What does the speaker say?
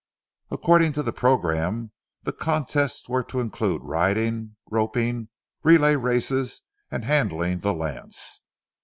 According to the programme, the contests were to include riding, roping, relay races, and handling the lance.